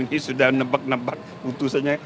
wah kamu ini sudah nebak nebak putusannya